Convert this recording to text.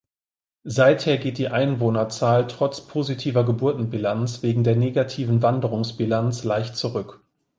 Seither geht die Einwohnerzahl trotz positiver Geburtenbilanz wegen der negativen Wanderungsbilanz leicht zurück.